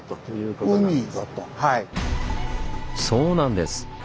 そうなんです！